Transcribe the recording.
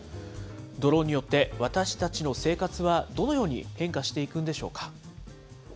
ドローンによって、私たちの生活はどのように変化していくんでしょうか。